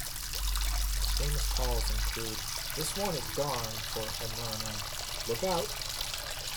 His famous calls include "This one is gone" for a home run and "Lookout!